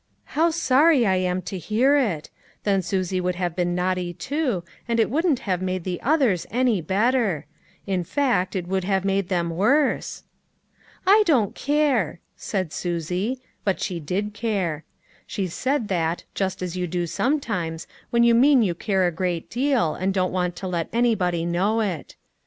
" How sorry I am to hear it ; then Susie would have been naughty too, and it wouldn't have made the others any better ; in fact, it would have made them worse." " I don't care," said Susie, but she did care. She said that, just as you do sometimes, when you mean you care a great deal, and don't want to let anybody know it.